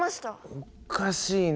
おかしいな。